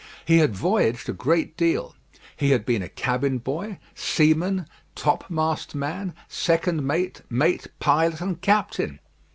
He had voyaged a great deal. He had been a cabin boy, seaman, topmast man, second mate, mate, pilot, and captain.